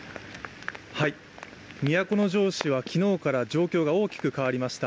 都城市は昨日から状況が大きく変わりました。